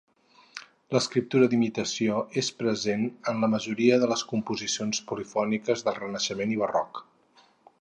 L'escriptura d'imitació és present en la majoria de les composicions polifòniques del Renaixement i Barroc.